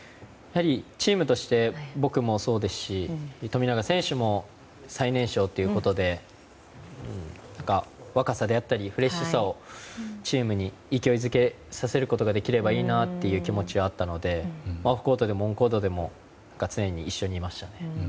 チームとして僕もそうですし、富永選手も最年少ということで若さであったりフレッシュさをチームに勢い付けさせることができればいいなという気持ちはあったのでオフコートでもオンコートでも常に一緒にいましたね。